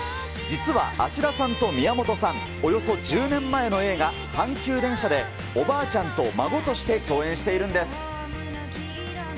実は芦田さんと宮本さん、およそ１０年前の映画、阪急電車でおばあちゃんと孫として共演しているんです。